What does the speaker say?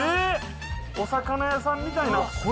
お魚屋さんみたいな。